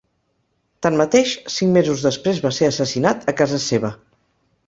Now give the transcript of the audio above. Tanmateix, cinc mesos després va ser assassinat a casa seva.